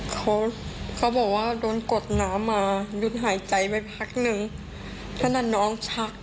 เขาเขาบอกว่าโดนกฎน้ำมายุ่นหายใจไปพักหนึ่ง